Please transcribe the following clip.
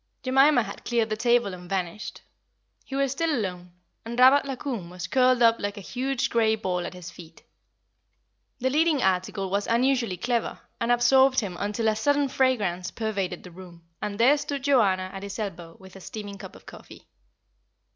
Jemima had cleared the table and vanished. He was still alone, and Rabat la Koum was curled up like a huge grey ball at his feet; the leading article was unusually clever, and absorbed him until a sudden fragrance pervaded the room, and there stood Joanna at his elbow with a steaming cup of coffee.